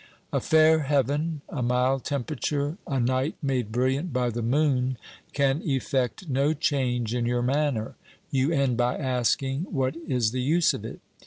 A fair heaven, a mild temperature, a night made brilliant by the moon can effect no change in your manner ; you end by asking. What is the use of it?